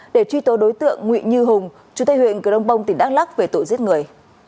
để truy tố đối tượng nguyễn như hùng chú tây huyện cửa đông bông tỉnh đắk lắc về tội giết người